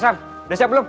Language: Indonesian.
sam sudah siap belum